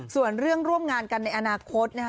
ส่วนเรื่องร่วมงานกันในอนาคตนะคะ